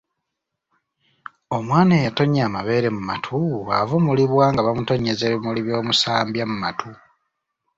Omwana eyatonnya amabeere mu matu avumulibwa nga bamutonnyeza ebimuli by’omusambya mu matu.